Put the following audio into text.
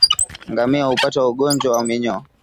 Ngamia hupata ugonjwa wa minyoo